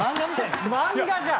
漫画じゃん。